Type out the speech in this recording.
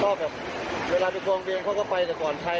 ก็แบบเวลาไปกองเรียนเขาก็ไปแต่ก่อนใคร